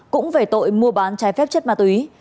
cũng về tội mua bán trái phép chất ma túy